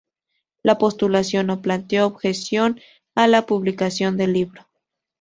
La postulación no planteó objeciones a la publicación del libro.